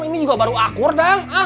ini juga baru akur dong